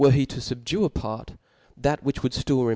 he to fubdue a pare, that which would ftill ij?